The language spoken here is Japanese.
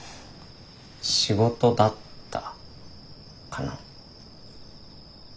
仕事だったかな。